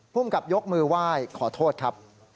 ภูมิกับยกมือไหว้ขอโทษครับ